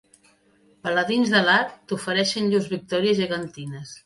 Paladins de l'art t'ofereixen llurs victòries gegantines.